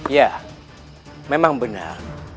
iya memang benar